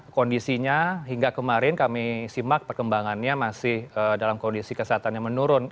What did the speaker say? kondisinya hingga kemarin kami simak perkembangannya masih dalam kondisi kesehatan yang menurun